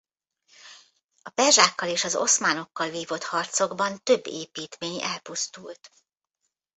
A perzsákkal és az oszmánokkal vívott harcokban több építmény elpusztult.